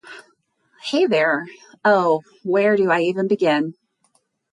Hey there! Oh, where do I even begin?